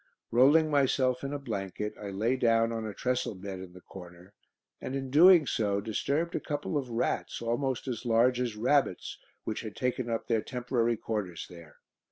Rolling myself in a blanket, I lay down on a trestle bed in the corner, and in doing so disturbed a couple of rats, almost as large as rabbits, which had taken up their temporary quarters there.